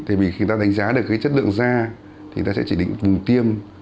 thì khi ta đánh giá được cái chất lượng da thì ta sẽ chỉ định vùng tiêm